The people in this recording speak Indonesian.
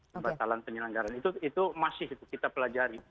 pembatalan penyelenggaran itu masih kita pelajari